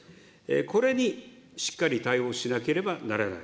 これにしっかり対応しなければならない。